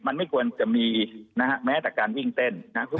มันไม่ควรจะมีนะฮะแม้แต่การวิ่งเต้นนะครับ